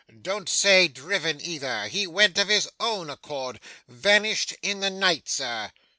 Don't say driven either. He went of his own accord vanished in the night, sir.